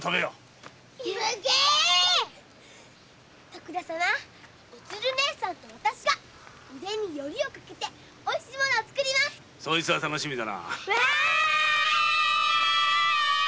おつるねぇさんと私が腕にヨリをかけておいしいものを作るそいつは楽しみだ。